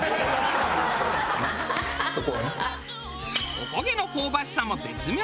おこげの香ばしさも絶妙。